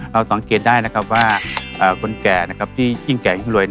เราสังเกตได้นะครับว่าคนแก่ที่ยิ่งแก่ยิ่งรวย